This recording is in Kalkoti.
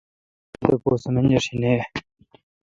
با تاپوس منجرشی نہ یا۔